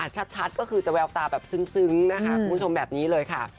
ชัดก็คือจะแววตาแบบซึ้งนะคะคุณผู้ชมแบบนี้เลยค่ะ